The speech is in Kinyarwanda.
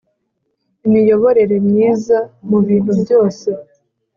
imiyoborere myiza mu bintu byose